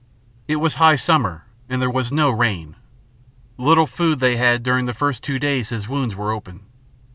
It was high summer, and there was no rain. Little food they had during the first two days his wounds were open.